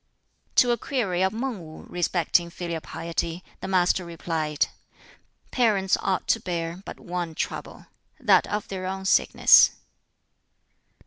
To a query of Mang Wu respecting filial piety, the Master replied, "Parents ought to bear but one trouble that of their own sickness."